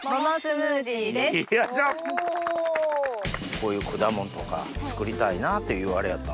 こういう果物とか作りたいなっていうあれやった？